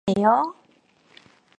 농담이에요?